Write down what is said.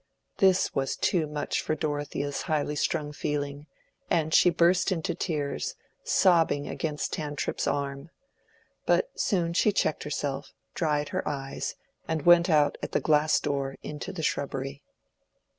This was too much for Dorothea's highly strung feeling, and she burst into tears, sobbing against Tantripp's arm. But soon she checked herself, dried her eyes, and went out at the glass door into the shrubbery.